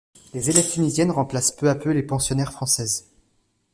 Les élèves tunisiennes remplacent peu à peu les pensionnaires françaises.